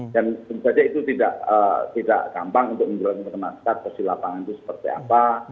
dan penjajah itu tidak gampang untuk memperkenalkan posisi lapangan itu seperti apa